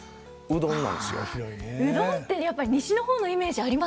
うどんってやっぱり西の方のイメージあります。